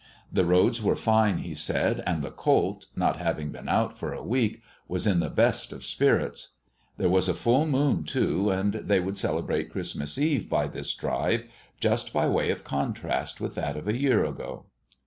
The roads were fine, he said, and the colt, not having been out for a week, was in the best of spirits. There was a full moon, too, and they would celebrate Christmas Eve by this drive, just by way of contrast with that of a year ago.